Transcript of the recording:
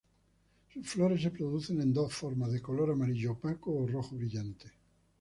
Sus flores se producen en dos formas: de color amarillo opaco, o rojo brillante.